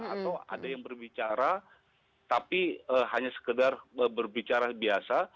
atau ada yang berbicara tapi hanya sekedar berbicara biasa